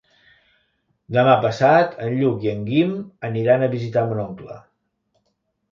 Demà passat en Lluc i en Guim aniran a visitar mon oncle.